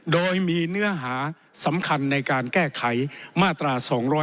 โดยมีเนื้อหาสำคัญในการแก้ไขมาตรา๒๗